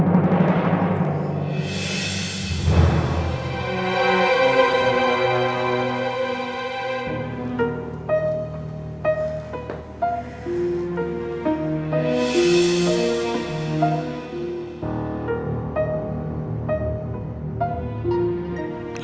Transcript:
bawa dia ke rumah